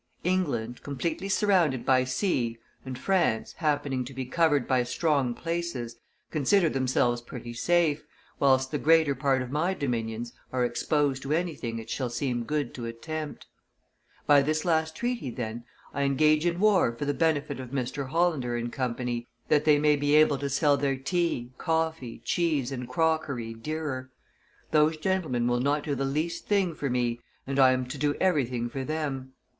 England, completely surrounded by sea, and France, happening to be covered by strong places, consider themselves pretty safe, whilst the greater part of my dominions are exposed to anything it shall seem good to attempt. By this last treaty, then, I engage in war for the benefit of Mr. Hollander and Co., that they may be able to sell their tea, coffee, cheese, and crockery dearer; those gentlemen will not do the least thing for me, and I am to do everything for them.